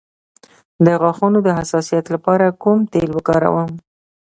د غاښونو د حساسیت لپاره کوم تېل وکاروم؟